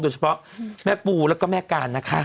เฉพาะแม่ปูแล้วก็แม่การนะคะ